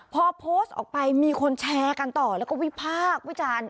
พอโพสต์ออกไปมีคนแชร์กันต่อแล้วก็วิพากษ์วิจารณ์